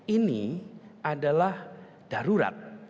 ini adalah darurat